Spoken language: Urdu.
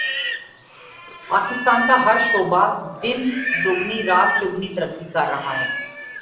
پاکستان کا ہر شعبہ دن دگنی رات چگنی ترقی کر رہا ہے